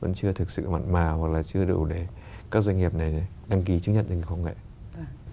vẫn chưa thực sự mặn mà hoặc là chưa đủ để các doanh nghiệp này đăng ký chứng nhận doanh nghiệp công nghệ